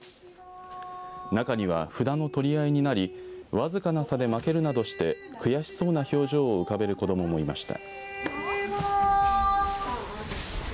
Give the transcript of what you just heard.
中には札の取り合いになり僅かな差で負けるなどして悔しそうな表情を浮かべる子どももいました。